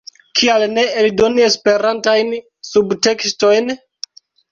"Kial ne aldoni Esperantajn subtekstojn"?